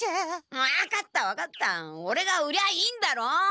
わかったわかったオレが売りゃあいいんだろ！